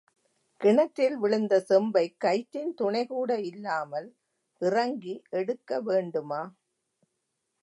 கிணற்றில் விழுந்த செம்பைக் கயிற்றின் துணைகூட இல்லாமல் இறங்கி எடுக்க வேண்டுமா?